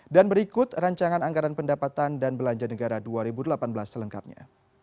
dan berikut rancangan anggaran pendapatan dan belanja negara dua ribu delapan belas selengkapnya